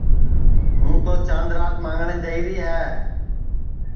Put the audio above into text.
ہوں تو چاند رات مانٚگٹؔے جائیری ہے